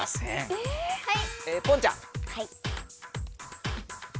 えっはい。